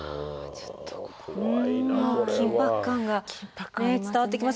緊迫感が伝わってきます。